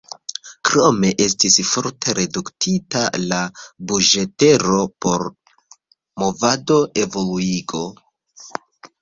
Krome estis forte reduktita la buĝetero por "movada evoluigo".